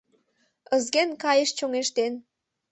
Ызген кайыш чоҥештен